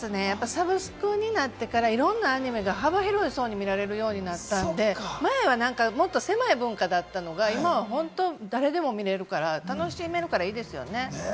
サブスクになってから、いろんなアニメが幅広い層に見られるようになったので、前はもっと狭い文化だったのが、今は誰でも見られるから、楽しめるからいいですよね。